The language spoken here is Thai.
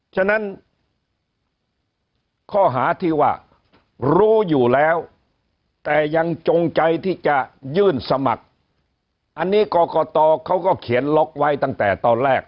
ฉะนั้นข้อหาที่ว่ารู้อยู่แล้วแต่ยังจงใจที่จะยื่นสมัครอันนี้กรกตเขาก็เขียนล็อกไว้ตั้งแต่ตอนแรก